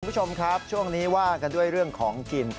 คุณผู้ชมครับช่วงนี้ว่ากันด้วยเรื่องของกิน